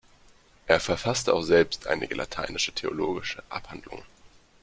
Er verfasste auch selbst einige lateinische theologische Abhandlungen.